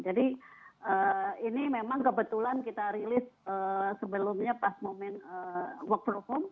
jadi ini memang kebetulan kita rilis sebelumnya pas moment work from home